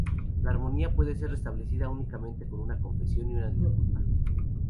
La armonía puede ser restablecida únicamente con una confesión y una disculpa.